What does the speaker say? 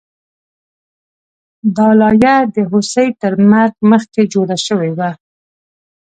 دا لایه د هوسۍ تر مرګ مخکې جوړه شوې وه